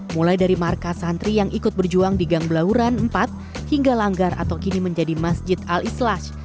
mulai dari markas santri yang ikut berjuang di gang belauran empat hingga langgar atau kini menjadi masjid al islas